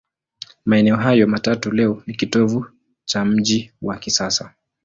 Maeneo hayo matatu leo ni kitovu cha mji wa kisasa.